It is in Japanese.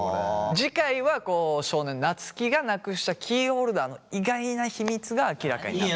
次回は少年夏樹がなくしたキーホルダーの意外な秘密が明らかに。